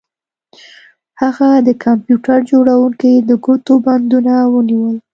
هغه د کمپیوټر جوړونکي د ګوتو بندونه ونیول